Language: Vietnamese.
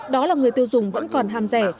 đó là người tiêu dùng vẫn còn ham rẻ